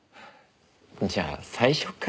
じゃあ最初から。